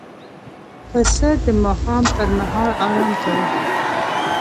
پسه د ماښام پر مهال آرام کوي.